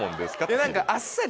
いや何かあっさり。